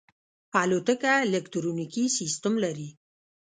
الوتکه الکترونیکي سیستم لري.